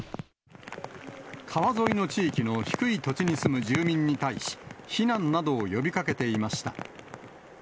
川沿いの地域の低い土地に住む住民に対し、避難などを呼びかけていました。